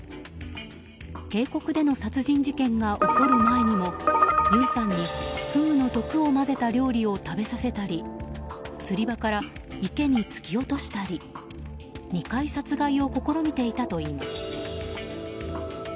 渓谷での殺人事件が起こる前にもユンさんにフグの毒を混ぜた料理を食べさせたり釣り場から池に突き落としたり２回殺害を試みていたといいます。